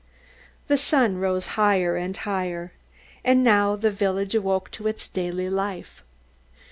The sun rose higher and higher. And now the village awoke to its daily life.